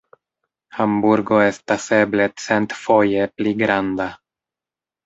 Hamburgo estas eble centfoje pli granda.